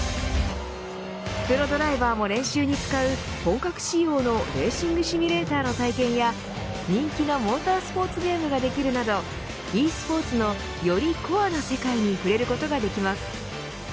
プロドライバーも練習に使う本格仕様のレーシングシミュレーターの体験や人気のモータースポーツゲームができるなどｅスポーツのよりコアな世界に触れることができます。